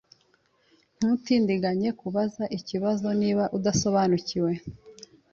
Ntutindiganye kubaza ikibazo niba udasobanukiwe.